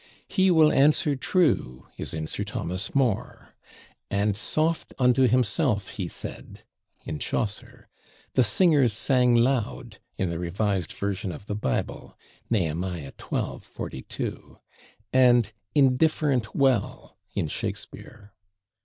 "He will answer /trewe/" is in Sir Thomas More; "and /soft/ unto himself he sayd" in Chaucer; "the singers sang /loud/" in the Revised Version of the Bible (Nehemiah xii, 42), and "/indifferent/ well" in Shakespeare.